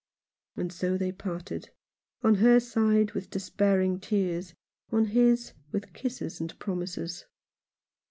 And so they parted — on her side with despair ing tears, on his with kisses and promises.